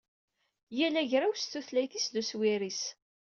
Yal agraw s tutlayt-is d uswir-is.